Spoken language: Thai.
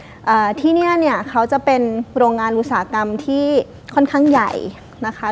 อ่าที่เนี้ยเนี้ยเขาจะเป็นโรงงานอุตสาหกรรมที่ค่อนข้างใหญ่นะคะ